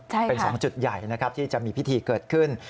เป็น๒จุดใหญ่นะครับที่จะมีพิธีเกิดขึ้น